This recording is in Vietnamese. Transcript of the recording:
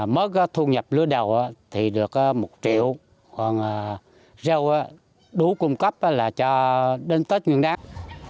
mới có thu nhập lứa đầu thì được một triệu còn rau đủ cung cấp là cho đến tết nguyên đáng